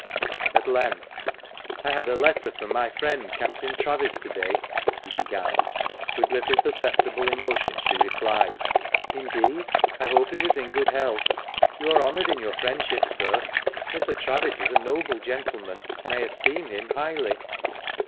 At length "I had a letter from my friend Captain Travis to day," he began. With little perceptible emotion, she replied 342 THE MANCHESTER MAN. " Indeed ! I hope he was in good health. You are honoured in your friendship, sir. Mr. Travis is a noble gentleman, and I esteem him highly."